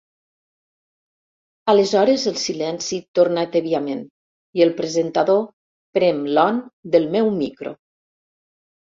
Aleshores el silenci torna tèbiament i el presentador prem l'on del meu micro.